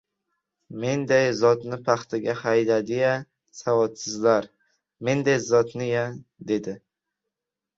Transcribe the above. — Menday zotni paxtaga haydadi-ya, savodsizlar, menday zotni-ya! — dedi.